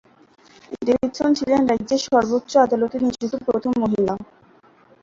Davidson ছিলেন রাজ্যের সর্বোচ্চ আদালতে নিযুক্ত প্রথম মহিলা।